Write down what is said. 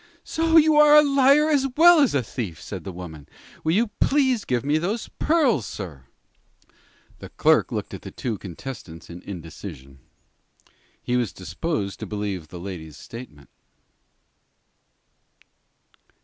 "So you are a liar as well as a thief!" said the woman. "You will please give me those pearls, sir." The clerk looked at the two contestants in indecision. He was disposed to believe the lady's statement.